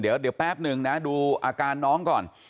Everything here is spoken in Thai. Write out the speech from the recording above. เดี๋ยวแป๊บหนึ่งนะดูอาการน้องก่อน